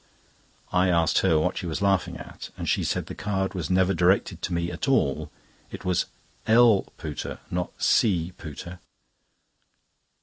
I asked her what she was laughing at, and she said the card was never directed to me at all. It was "L. Pooter," not "C. Pooter."